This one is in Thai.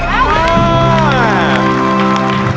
มาก